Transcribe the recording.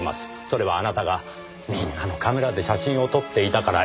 それはあなたがみんなのカメラで写真を撮っていたから。